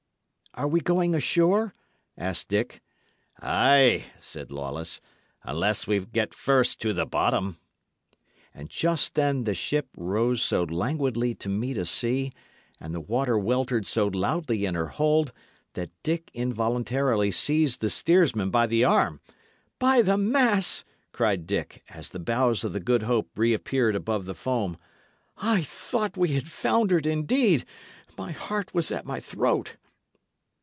"Are we going ashore?" asked Dick. "Ay," said Lawless, "unless we get first to the bottom." And just then the ship rose so languidly to meet a sea, and the water weltered so loudly in her hold, that Dick involuntarily seized the steersman by the arm. "By the mass!" cried Dick, as the bows of the Good Hope reappeared above the foam, "I thought we had foundered, indeed; my heart was at my throat."